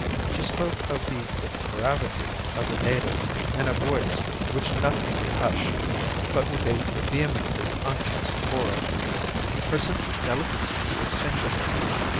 She spoke of the depravity of the natives in a voice which nothing could hush, but with a vehemently unctuous horror. Her sense of delicacy was singular.